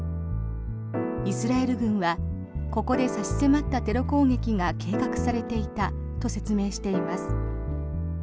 イスラエル軍はここで差し迫ったテロ攻撃が計画されていたと説明しています。